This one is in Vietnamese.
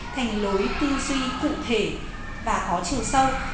thành lối tư duy cụ thể và có chiều sâu